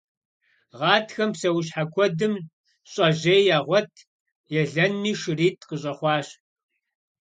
Гъатхэм псэущхьэ куэдым щӀэжьей ягъуэт, елэнми шыритӀ къыщӀэхъуащ.